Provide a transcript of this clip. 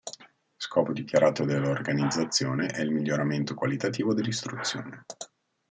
Scopo dichiarato dell'organizzazione è "il miglioramento qualitativo dell'istruzione.